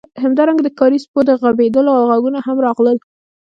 همدارنګه د ښکاري سپیو د غپیدلو غږونه هم راغلل